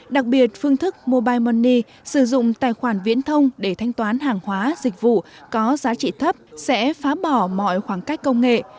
đặc biệt phương thức mobile money sử dụng tài khoản viễn thông để thanh toán hàng hóa dịch vụ có giá trị thấp sẽ phá bỏ mọi khoảng cách công nghệ